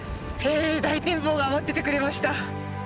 大展望が待っててくれました！